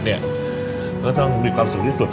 แล้วก็ต้องมีความสุขที่สุด